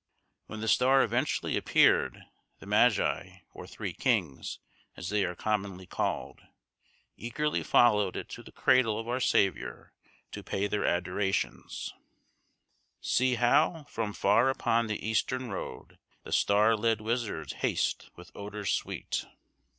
When the star eventually appeared, the Magi, or Three Kings, as they are commonly called, eagerly followed it to the cradle of our Saviour to pay their adorations,— "See how from far upon the eastern road, The star led wizards haste with odours sweet."